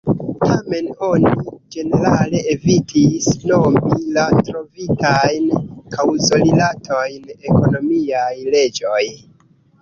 Tamen oni ĝenerale evitis nomi la trovitajn kaŭzorilatojn ekonomiaj leĝoj.